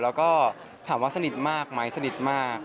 แล้วก็ถามว่าสนิทมากไหมสนิทมาก